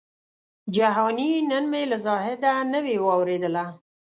جهاني نن مي له زاهده نوې واورېدله